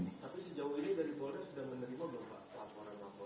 tapi sejauh ini dari polres sudah menerima belum pak laporan laporan